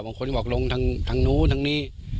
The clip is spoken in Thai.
บางคนก็บอกลงทางนู้นทางนี้